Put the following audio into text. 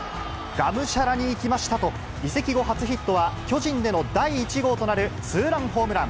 がむしゃらにいきましたと、移籍後初ヒットは、巨人での第１号となるツーランホームラン。